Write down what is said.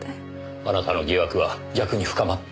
あなたの疑惑は逆に深まった。